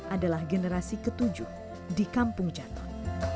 adalah generasi ketujuh di kampung jaton